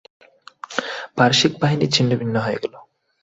পারসিক বাহিনী ছিন্নভিন্ন হয়ে গেল।